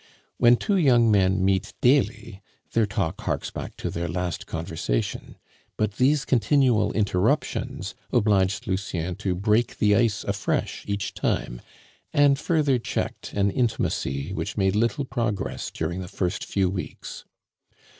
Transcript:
When two young men meet daily, their talk harks back to their last conversation; but these continual interruptions obliged Lucien to break the ice afresh each time, and further checked an intimacy which made little progress during the first few weeks.